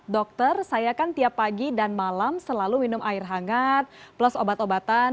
dokter saya kan tiap pagi dan malam selalu minum air hangat plus obat obatan